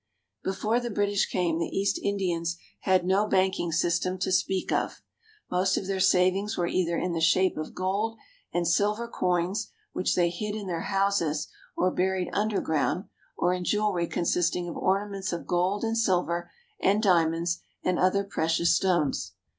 Before the British came, the East Indians had no bank ing system to speak of. Most of their savings were either in the shape of gold and silver coins which they hid in their houses or buried underground or in jewelry consisting of ornaments of gold and silver and diamonds and other pre 2/6 THE RELIGIONS OF INDIA cious Stones.